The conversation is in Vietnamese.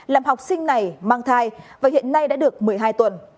làm học sinh này mang thai và hiện nay đã được một mươi hai tuần